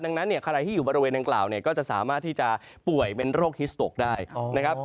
ดังนั้นเนี่ยใครที่อยู่บริเวณดังกล่าวเนี่ยก็จะสามารถที่จะป่วยเป็นโรคฮิสโตกได้นะครับ